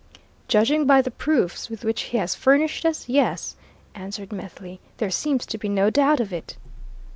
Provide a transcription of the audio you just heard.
"Judging by the proofs with which he has furnished us, yes," answered Methley. "There seems to be no doubt of it."